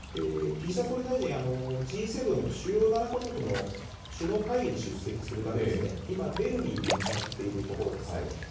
岸田総理大臣、Ｇ７・主要７か国の首脳会議に出席するため今、ベルギーに向かっているところです。